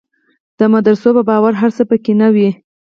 د مدرسو په باور هر څه په کې نه وي.